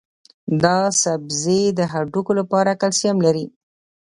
دا سبزی د هډوکو لپاره کلسیم لري.